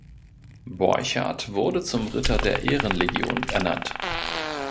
Borchardt wurde zum Ritter der Ehrenlegion ernannt.